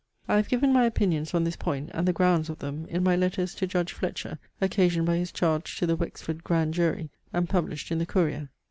I have given my opinions on this point, and the grounds of them, in my letters to judge Fletcher occasioned by his charge to the Wexford grand jury, and published in the Courier.